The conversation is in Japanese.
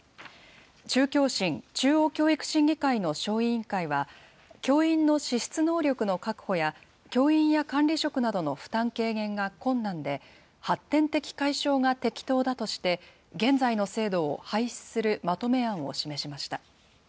中教審・中央教育審議会の小委員会は、教員の資質能力の確保や、教員や管理職などの負担軽減が困難で、発展的解消が適当だとして、現在の制度を廃止するまとめ案を示しました。